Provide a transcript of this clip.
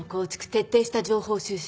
徹底した情報収集。